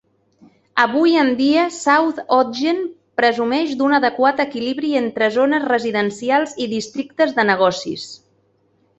Avui en dia, South Ogden presumeix d'un adequat equilibri entre zones residencials i districtes de negocis.